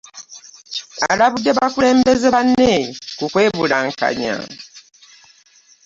Alabudde bakulembeze banne ku kwebulankanya.